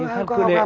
thầy hà vĩ đức